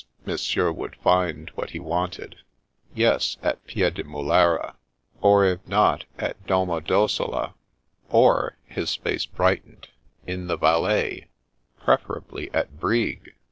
Monsieur would iind what he wanted; yes, at Piwlimulera, or if not, at Domo dossola; or — ^his face brightened — in the Valais, preferably at Brig.